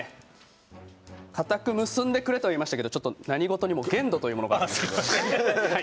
固く結んでくれとは言いましたけどちょっと何事にも限度というものが。